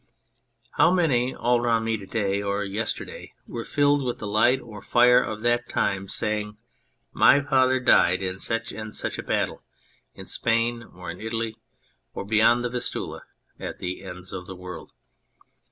How many all round me, to day or yesterday, were filled with the light or fire of that time, saying, " My father died in such and such a battle," in Spain, or in Italy, or beyond the Vistula at the ends of the world.